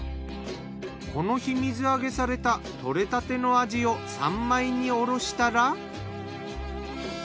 この日水揚げされた獲れたてのアジを３枚におろしたら。